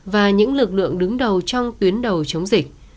và những lực lượng đứng đầu trong tuyến đầu chống dịch